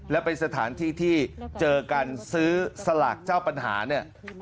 และเป็นสถานที่ที่เจอกันซื้อสลากเจ้าปัญหาเนี่ย